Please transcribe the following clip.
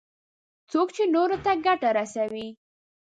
څوک چې نورو ته ګټه رسوي.